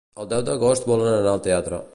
El deu d'agost volen anar al teatre.